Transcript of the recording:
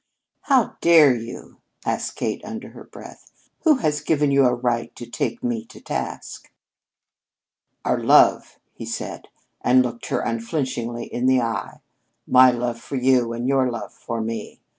"How dare you?" asked Kate under her breath. "Who has given you a right to take me to task?" "Our love," he said, and looked her unflinchingly in the eye. "My love for you and your love for me.